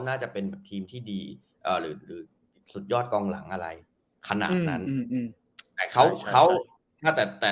น่าจะเป็นคริมที่ดีอ่ะหรือสุดยอดกองหลังอะไรขนาดนั้นเขาเขาแต่แต่